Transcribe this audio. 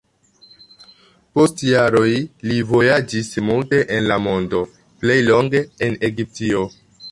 Post jaroj li vojaĝis multe en la mondo, plej longe en Egiptio.